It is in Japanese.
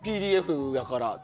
ＰＤＦやから。